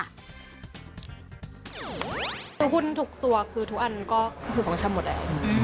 คือหุ้นทุกตัวคือทุกอันก็คือของชำหมดแล้ว